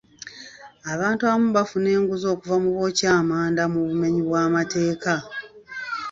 Abantu abamu bafuna enguzi okuva mu bookya amanda mu bumenyi bw'amateeka.